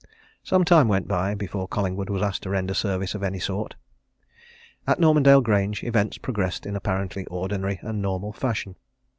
Some time went by before Collingwood was asked to render service of any sort. At Normandale Grange, events progressed in apparently ordinary and normal fashion.